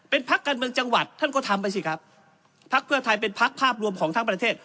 เป็นพักการเมืองจังหวัดท่านก็ทำไปสิครับพักเพื่อไทยเป็นพักภาพรวมของทั้งประเทศ